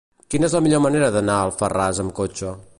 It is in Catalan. Quina és la millor manera d'anar a Alfarràs amb cotxe?